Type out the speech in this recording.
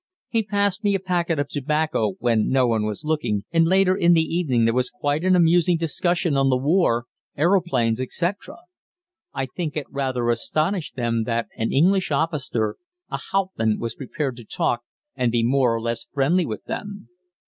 He passed me a packet of tobacco when no one was looking, and later in the evening there was quite an amusing discussion on the war, aeroplanes, etc. I think it rather astonished them that an English officer, a "Hauptmann," was prepared to talk and be more or less friendly with them.